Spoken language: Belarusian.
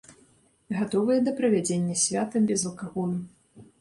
Гатовыя да правядзення свята без алкаголю.